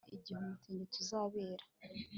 Ntushobora kumenya igihe umutingito uzabera